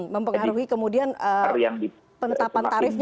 mempengaruhi kemudian penetapan tarifnya